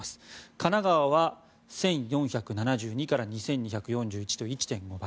神奈川は１４７２から２２４１と１．５倍。